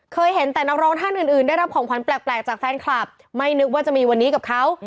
เคยเห็นแต่นักร้องท่านอื่นอื่นได้รับของขวัญแปลกจากแฟนคลับไม่นึกว่าจะมีวันนี้กับเขา